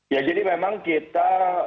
ya jadi memang kita